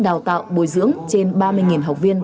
đào tạo bồi dưỡng trên ba mươi học viên